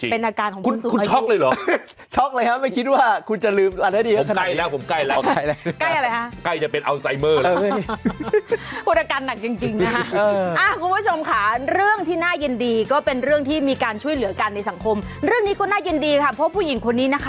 เพราะบางทีเราถือของหลายอย่าง